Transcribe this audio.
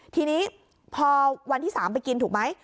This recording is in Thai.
ทีนี้พอวันที่๓ไปกินถูกไหม